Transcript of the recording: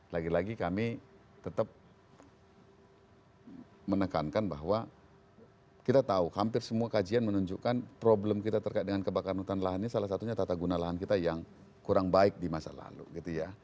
lagi lagi kami tetap menekankan bahwa kita tahu hampir semua kajian menunjukkan problem kita terkait dengan kebakaran hutan lahan ini salah satunya tata guna lahan kita yang kurang baik di masa lalu gitu ya